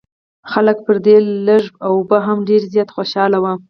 خلک پر دې لږو اوبو هم ډېر زیات خوشاله وو.